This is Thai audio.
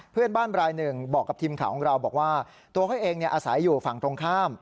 เพื่อนบ้านรายหนึ่งบอกกับทีมข่าวของเราบอกว่าตัวเขาเองอาศัยอยู่ฝั่งตรงข้าม